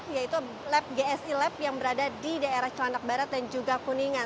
yaitu lab gsi lab yang berada di daerah celanak barat dan juga kuningan